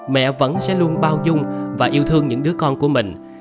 mẹ vẫn sẽ luôn bao dung và yêu thương những đứa con của mình